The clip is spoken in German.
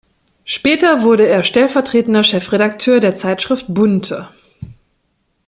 Später wurde er stellvertretender Chefredakteur der Zeitschrift Bunte.